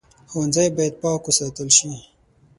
ښوونځی باید پاک وساتل شي